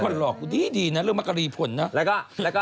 หลอกกูดีนะเรื่องมักกะรีผลเนอะ